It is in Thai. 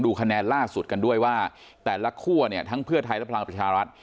คะแนนล่าสุดกันด้วยว่าแต่ละคั่วเนี่ยทั้งเพื่อไทยและพลังประชารัฐ